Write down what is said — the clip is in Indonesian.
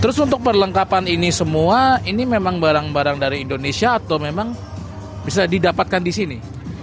terus untuk perlengkapan ini semua ini memang barang barang dari indonesia atau memang bisa didapatkan di sini